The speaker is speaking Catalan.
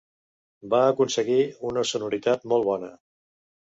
Va aconseguir una sonoritat molt bona.